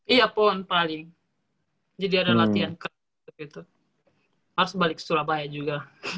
iya pond paling jadi ada latihan ke gitu harus balik surabaya juga